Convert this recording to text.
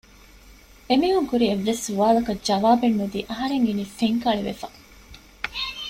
އެމީހުން ކުރި އެއްވެސް ސުވާލަކަށް ޖަވާބެއް ނުދީ އަހަރެން އިނީ ފެންކަޅިވެފަ